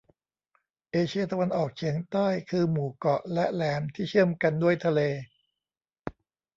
เอเชียตะวันออกเฉียงใต้คือหมู่เกาะและแหลมที่เชื่อมกันด้วยทะเล